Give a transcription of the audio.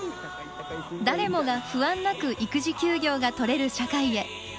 誰もが不安なく育児休業が取れる社会へ。